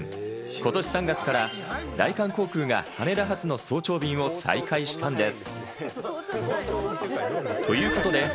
今年３月から大韓航空が羽田発の早朝便を再開したんです。